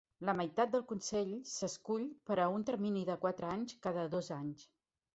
La meitat del consell s'escull per a un termini de quatre anys cada dos anys.